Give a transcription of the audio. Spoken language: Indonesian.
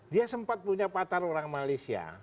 dia sempat punya pacar orang malaysia